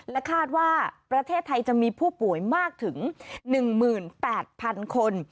คาดว่าประเทศไทยจะมีผู้ป่วยมากถึง๑๘๐๐๐คน